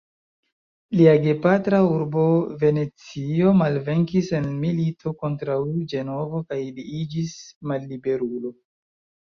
Lia gepatra urbo Venecio malvenkis en milito kontraŭ Ĝenovo kaj li iĝis malliberulo.